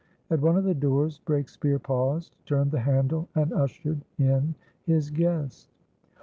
At one of the doors, Breakspeare paused, turned the handle, and ushered in his guest.